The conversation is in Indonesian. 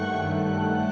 mama gak mau berhenti